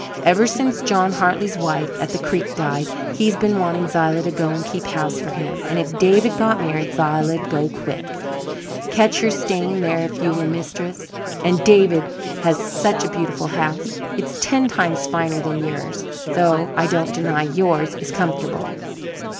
Ever since John Hartley's wife at the Creek died he's been wanting Zillah to go and keep house for him, and if David got married Zillah'd go quick. Catch her staying there if you were mistress! And David has such a beautiful house! It's ten times finer than yours, though I don't deny yours is comfortable.